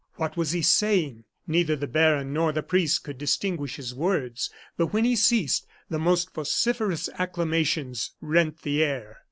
What was he saying? Neither the baron nor the priest could distinguish his words, but when he ceased, the most vociferous acclamations rent the air.